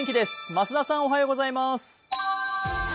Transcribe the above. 増田さんおはようございます。